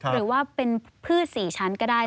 หรือว่าเป็นพืช๔ชั้นก็ได้